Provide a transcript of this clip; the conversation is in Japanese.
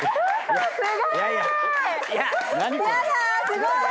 すごーい！